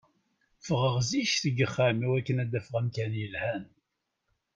Ffɣeɣ zik seg uxxam i wakken ad d-afeɣ amkan i yelhan.